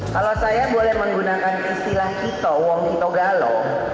kalau saya boleh menggunakan istilah kita uang itogalo